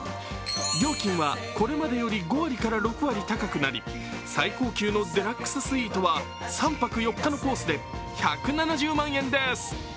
料金はこれまでより５割から６割高くなり、最高級のデラックススイートは３泊４日のコースで１７０万円です。